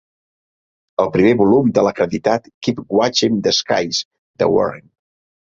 El primer volum de l'acreditat Keep Watching the Skies! de Warren